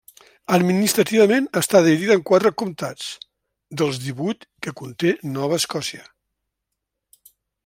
Administrativament està dividida en quatre comtats, dels divuit que conté Nova Escòcia.